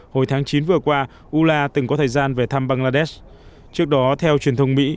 hồi tháng chín vừa qua ula từng có thời gian về thăm bangladesh trước đó theo truyền thông mỹ